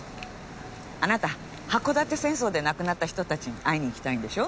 あなた箱館戦争で亡くなった人たちに会いに行きたいんでしょ？